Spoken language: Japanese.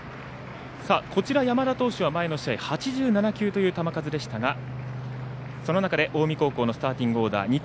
山田投手は前の試合８７球という球数でしたがその中で近江高校のスタメンオーダー。